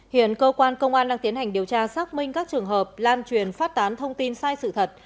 hiện cơ quan công an đang tiến hành điều tra xác minh các trường hợp lan truyền phát tán thông tin sai sự thật